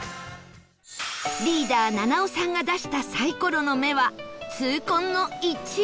リーダー菜々緒さんが出したサイコロの目は痛恨の「１」